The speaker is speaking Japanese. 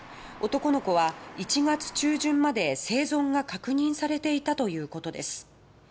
男の子は１月中旬まで生存が確認されていたということです。